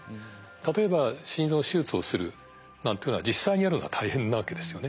例えば心臓手術をするなんていうのは実際にやるのは大変なわけですよね。